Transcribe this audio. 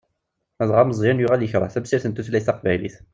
Dɣa Meẓyan yuɣal yekreh tamsirt n tutlayt taqbaylit.